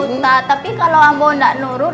pak ustaz tapi kalau ambo gak nurut